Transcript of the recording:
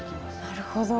なるほど。